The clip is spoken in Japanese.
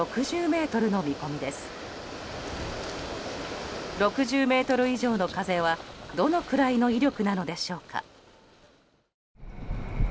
６０メートル以上の風はどのくらいの威力なのでしょうか。